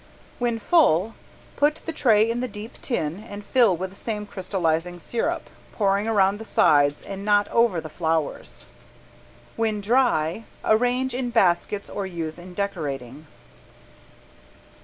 When full put the tray in the deep tin and fill with the same crystallizing sirup, pouring around the sides and not over the flowers. When dry, arrange in baskets or use in decorating.